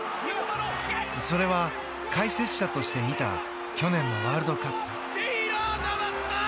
それは解説者として見た去年のワールドカップ。